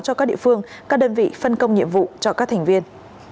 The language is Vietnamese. cho các địa phương các đơn vị phân công nhiệm vụ cho các thành viên